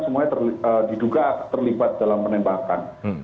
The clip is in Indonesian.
semuanya diduga terlibat dalam penembakan